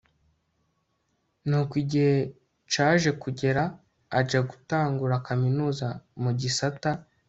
Nuko igihe caje kugera aja gutangura kaminuza mugisata